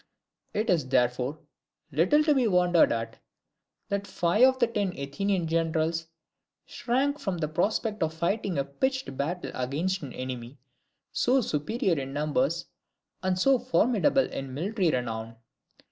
It is therefore, little to be wondered at, that five of the ten Athenian generals shrank from the prospect of fighting a pitched battle against an enemy so superior in numbers, and so formidable in military renown.